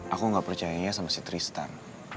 aku gak percayainya sama si tristan